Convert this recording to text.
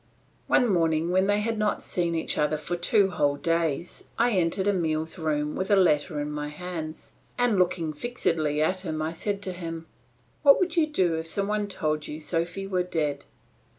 One morning when they had not seen each other for two whole days, I entered Emile's room with a letter in my hands, and looking fixedly at him I said to him, "What would you do if some one told you Sophy were dead?"